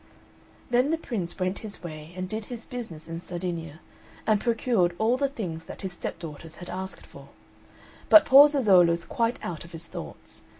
Then the Prince went his way and did his business in Sardinia, and procured all the things that his stepdaughters had asked for; but poor Zezolla was quite out of his thoughts.